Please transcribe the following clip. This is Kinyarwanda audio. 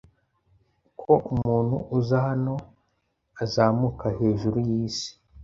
Ko umuntu uza hano azamuka hejuru yisi